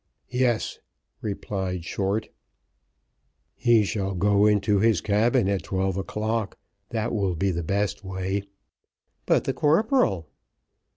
"Yes," replied Short. "He shall go into his cabin at twelve o'clock, that will be the best way." "But the corporal."